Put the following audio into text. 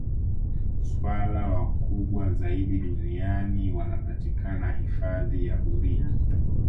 swala wakubwa zaidi duniani wanapatikana hifadhi ya burigi